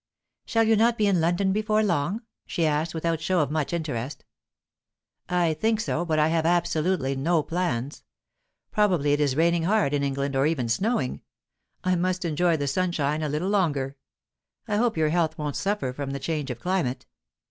"Shall you not be in London before long?" she asked, without show of much interest. "I think so, but I have absolutely no plans. Probably it is raining hard in England, or even snowing. I must enjoy the sunshine a little longer. I hope your health won't suffer from the change of climate."